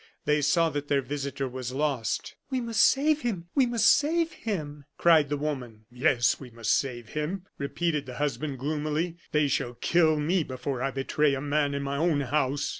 They saw that their visitor was lost. "We must save him! we must save him!" cried the woman. "Yes, we must save him!" repeated the husband, gloomily. "They shall kill me before I betray a man in my own house."